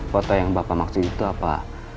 foto yang bapak maksud itu apa